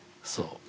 そう。